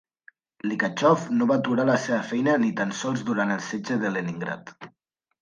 Likhachov no va aturar la seva feina ni tan sols durant el setge de Leningrad.